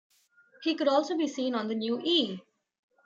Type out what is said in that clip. He could also be seen on the new E!